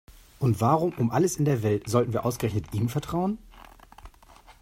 Und warum um alles in der Welt sollten wir ausgerechnet ihm vertrauen?